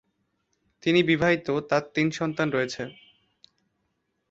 তিনি বিবাহিত, তাঁর তিন সন্তান রয়েছে।